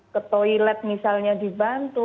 ke toilet misalnya dibantu